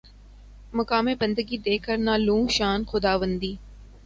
مقام بندگی دے کر نہ لوں شان خداوندی